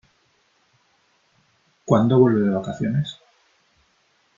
¿Cuándo vuelve de vacaciones?